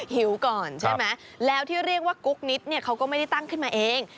หิวก่อนใช่ไหมแล้วที่เรียกว่ากุ๊กนิดเนี่ยเขาก็ไม่ได้ตั้งขึ้นมาเอง